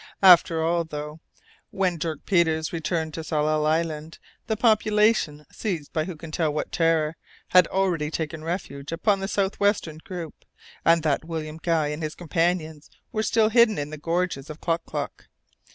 After all, though, it was possible that when Dirk Peters returned to Tsalal Island, the population, seized by who can tell what terror, had already taken refuge upon the south western group, and that William Guy and his companions were still hidden in the gorges of Klock Klock.